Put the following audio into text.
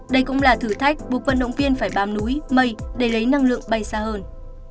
đây cũng là thử thách buộc vận động viên phải bám núi mây để lấy năng lượng bay xa hơn